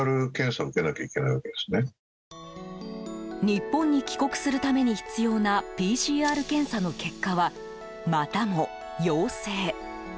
日本に帰国するために必要なＰＣＲ検査の結果はまたも陽性。